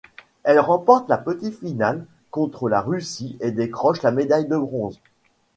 Elle remporte la petite finale contre la Russie et décroche la médaille de bronze.